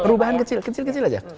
perubahan kecil kecil aja